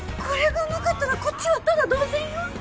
これがなかったらこっちはタダ同然よ。